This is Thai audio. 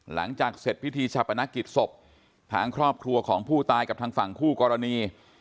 หลังจากเสร็จพิธีชาปนกิจศพทางครอบครัวของผู้ตายกับทางฝั่งคู่กรณี